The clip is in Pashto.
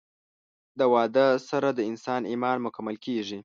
د واده سره د انسان ايمان مکمل کيږي